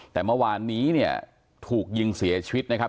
แต่เมื่อวานนี้เนี่ยถูกยิงเสียชีวิตนะครับ